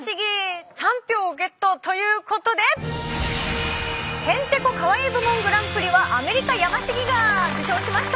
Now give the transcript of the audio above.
３票をゲットということでへんてこカワイイ部門グランプリはアメリカヤマシギが受賞しました。